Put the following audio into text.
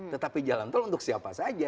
tetapi jalan tol untuk siapa saja